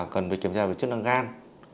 cần phải kiểm tra về chức năng gan